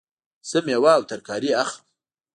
زه میوه او ترکاری اخلم